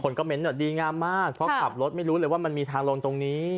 คอมเมนต์ดีงามมากเพราะขับรถไม่รู้เลยว่ามันมีทางลงตรงนี้